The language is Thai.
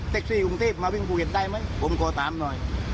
เท็กซี่กรุงทรีย์มาวิ่งภูเกียร์ใต้ไหมผมก็ตามหน่อย